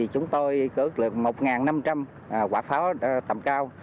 chúng tôi cớt một năm trăm linh quả pháo tầm cao